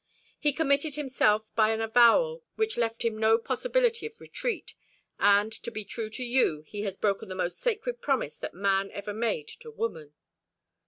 He committed himself by an avowal which left him no possibility of retreat; and to be true to you he has broken the most sacred promise that man ever made to woman."